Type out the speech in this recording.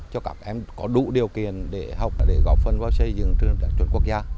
cho các em có đủ điều kiện để học để góp phần vào xây dựng trường truyền quốc gia